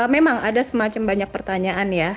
memang ada semacam banyak pertanyaan ya